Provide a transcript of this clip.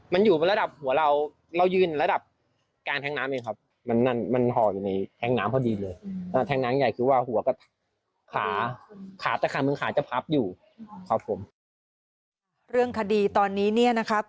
มันอยู่ระดับหัวเราเรายืนระดับกลางแท้งน้ำเองครับ